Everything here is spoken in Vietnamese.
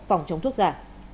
phòng chống thuốc giả